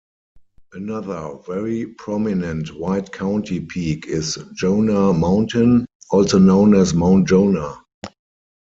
Another very prominent White County peak is Yonah Mountain, also known as Mount Yonah.